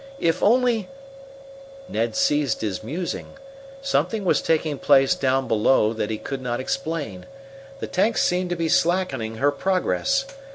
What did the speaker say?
If only " Ned ceased his musing. Something was taking place down below that he could not explain. The tank seemed to be slackening her progress.